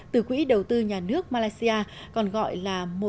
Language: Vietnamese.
từ quỹ đầu tư nhà nước malaysia còn gọi là một